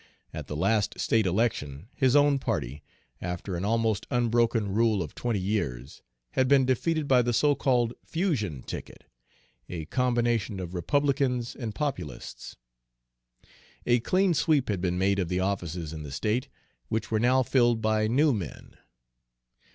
At the last state election his own party, after an almost unbroken rule of twenty years, had been defeated by the so called "Fusion" ticket, a combination of Republicans and Populists. A clean sweep had been made of the offices in the state, which were now filled by new men.